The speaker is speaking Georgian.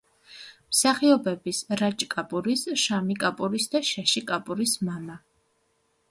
მსახიობების რაჯ კაპურის, შამი კაპურის და შაში კაპურის მამა.